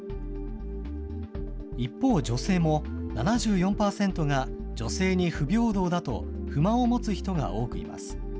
一方、女性も７４％が女性に不平等だと不満を持つ人が多くいます。